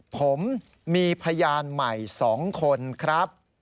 ผมมีพยานใหม่๒คนครับ